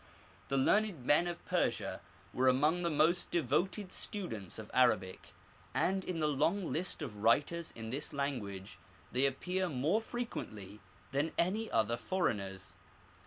The learned men of Persia were among the most devoted students of Arabic, and in the long list of writers in this language they appear more frequently than any other foreigners.